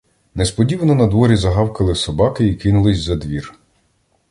Несподівано надворі загавкали собаки і кинулись за двір.